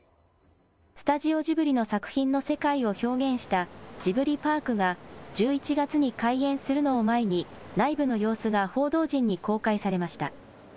スタジオジブリの作品の世界を表現した、ジブリパークが１１月に開園するのを前に、内部の様子が報道陣に公開されました。